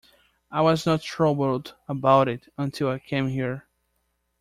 I was not troubled about it until I came here.